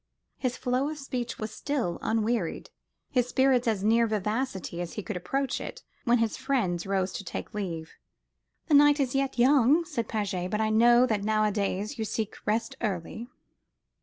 His flow of speech was still unwearied, his spirits as near vivacity as they could approach it, when his friends rose to take leave. "The night is yet young," said Paget, "but I know that nowadays you seek rest early."